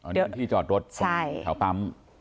อ๋อนี่เป็นที่จอดรถของแถวปั๊ม